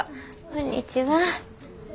こんにちは。